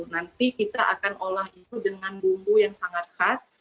nanti kita akan olah itu dengan bumbu yang sangat khas